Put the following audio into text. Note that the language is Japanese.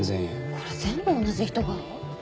これ全部同じ人が？